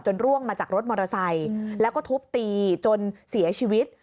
ร่วงมาจากรถมอเตอร์ไซค์แล้วก็ทุบตีจนเสียชีวิต